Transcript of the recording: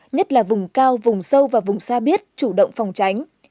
nhất là vùng cao vùng sâu và vùng xa biết chủ động phòng tránh